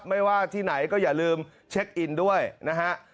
ไม่ว่าที่ไหนก็อย่าลืมเช็คอินด้วยนะฮะ